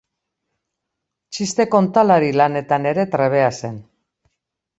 Txiste kontalari lanetan ere trebea zen.